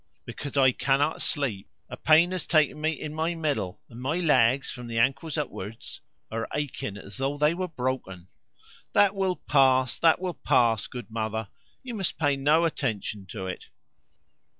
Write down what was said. "Because I cannot sleep. A pain has taken me in my middle, and my legs, from the ankles upwards, are aching as though they were broken." "That will pass, that will pass, good mother. You must pay no attention to it."